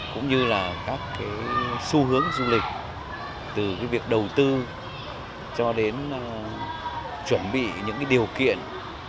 cũng như là các xu hướng du lịch từ việc đầu tư cho đến chuẩn bị những điều kiện